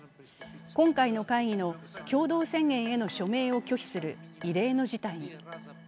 今回の会議の共同宣言への署名を拒否する異例の事態に。